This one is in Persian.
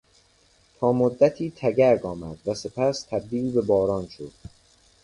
تامدتی تگرگ آمد و سپس تبدیل به باران شد.